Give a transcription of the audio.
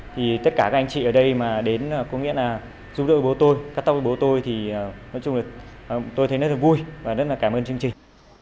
thì tất cả các anh chị ở đây mà đến có nghĩa là giúp đỡ bố tôi cắt tóc với bố tôi thì nói chung là tôi thấy rất là vui và rất là cảm ơn chương trình